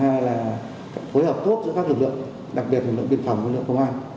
thứ hai là phối hợp tốt giữa các lực lượng đặc biệt là lực lượng biên phòng lực lượng công an